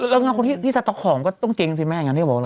แล้วก็คนที่สต๊อกของก็ต้องเกงสิไหมอย่างนั้นที่เขาบอก